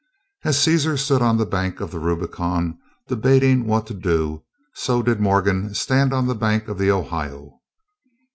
As Cæsar stood on the bank of the Rubicon debating what to do, so did Morgan stand on the bank of the Ohio.